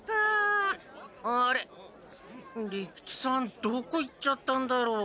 どこ行っちゃったんだろ。